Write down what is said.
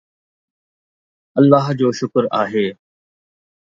الله جو شڪر آهي